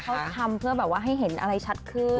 เขาทำเพื่อแบบว่าให้เห็นอะไรชัดขึ้น